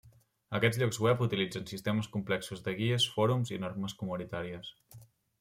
Aquests llocs web utilitzen sistemes complexos de guies, fòrums i normes comunitàries.